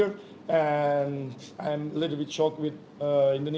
dan saya sedikit sedikit sedih